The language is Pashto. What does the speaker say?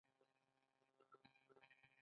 دا د ښار د برم د ستاینې لپاره مصرفوي